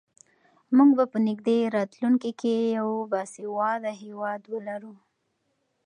موږ به په نږدې راتلونکي کې یو باسواده هېواد ولرو.